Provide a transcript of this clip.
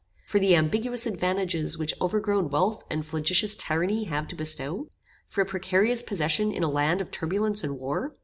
For the ambiguous advantages which overgrown wealth and flagitious tyranny have to bestow? For a precarious possession in a land of turbulence and war?